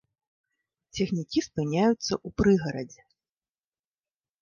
Цягнікі спыняюцца ў прыгарадзе.